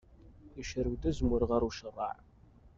Icerrew-d azemmur ɣer ucerraɛ.